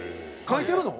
書いてるの？